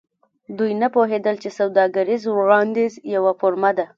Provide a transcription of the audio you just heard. دوی نه پوهیدل چې سوداګریز وړاندیز یوه فورمه ده